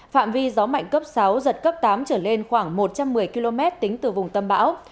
phạm vi gió mạnh cấp sáu giật cấp tám trở lên khoảng một trăm một mươi km tính từ vùng tâm bão